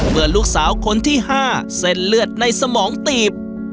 เมื่อลูกสาวคนที่๕เส้นเลือดในสมองตีบ